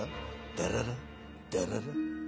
ダララダララ。